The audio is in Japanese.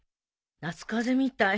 夏風邪みたい。